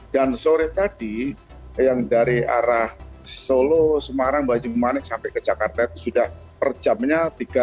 dan sore tadi yang dari arah solo semarang bajimun manik sampai ke jakarta itu sudah perjamnya tiga empat ratus